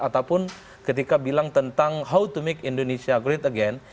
ataupun ketika bilang tentang how to make indonesia great again